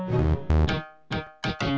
ya aku mau